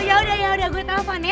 ya udah ya udah gue telfon ya